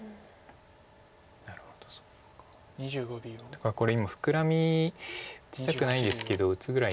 だからこれ今フクラミ打ちたくないですけど打つぐらいですか。